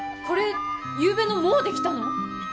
これゆうべのもうできたの？